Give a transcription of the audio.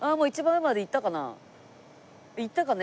いったかね？